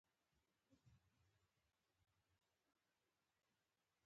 د افسوس او ارمان پر وخت کارول کیږي.